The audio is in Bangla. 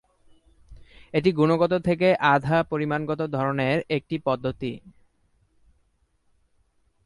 এটি গুণগত থেকে আধা-পরিমাণগত ধরনের একটি পদ্ধতি।